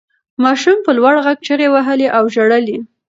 ماشوم په لوړ غږ چیغې وهلې او ژړل یې.